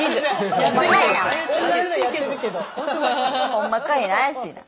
ほんまかいな怪しいな。